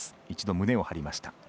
一度胸を張りました。